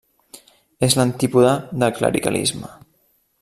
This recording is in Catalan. És l'antípoda del clericalisme.